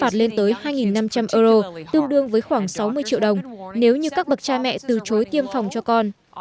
lên tới hai năm trăm linh euro tương đương với khoảng sáu mươi triệu đồng nếu như các bậc cha mẹ từ chối tiêm phòng cho con